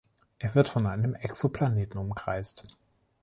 Er wird von einem Exoplaneten umkreist.